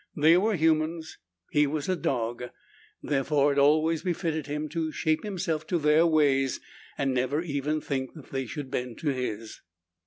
They were humans. He was a dog. Therefore, it always befitted him to shape himself to their ways and never even think that they should bend to his.